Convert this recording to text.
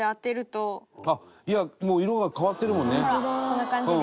こんな感じで。